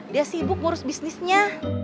dia sibuk ngurus bisnisnya